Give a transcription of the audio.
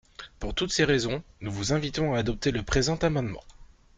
Pour toutes ces raisons, nous vous invitons à adopter le présent amendement.